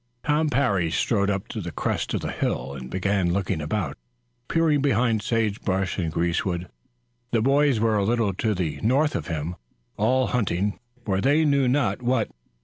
Tom Parry strode up to the crest of the hill and began looking about, peering behind sage bush and greasewood. The boys were a little to the north of him, all hunting for they knew not what.